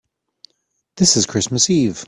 This is Christmas Eve.